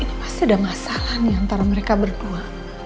ini pasti ada masalah nih antara mereka berdua